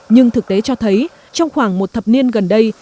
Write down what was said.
nhưng thực tế cho thấy trong khoảng một thập niên gần đây